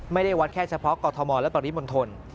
ไม่ได้วัดแค่เฉพาะกรทมและปริมณฑล